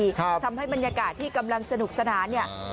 ทำให้บรรยากาศที่กำลังสนุกสนานเนี่ย